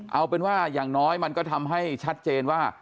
เอาเป็นว่าอย่างน้อยมันก็ทำให้ชัดเจนว่า